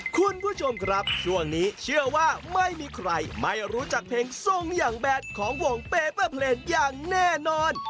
คุณผู้ชมครับช่วงนี้เชื่อว่าไม่มีใครไม่รู้จักเพลงทรงอย่างแบดของวงเปเปอร์เพลงอย่างแน่นอน